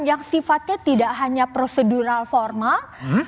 yang sifatnya tidak hanya prosedural formal